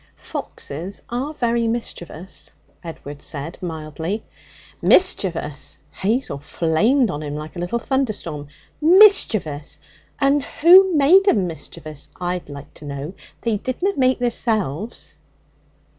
'Foxes are very mischievous,' Edward said mildly. 'Mischievous!' Hazel flamed on him like a little thunderstorm. 'Mischievous! And who made 'em mischievous, I'd like to know? They didna make theirselves.'